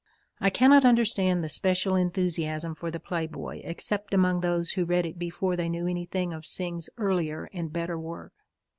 I cannot understand the special enthusiasm for The Playboy except among those who read it before they knew anything of Synge's earlier and better work.